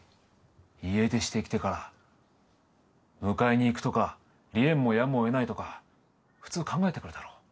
家出してきてから迎えに行くとか離縁もやむを得ないとか普通考えてくるだろ